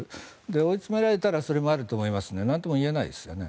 追い詰められたらそれもあると思いますがなんとも言えないですね。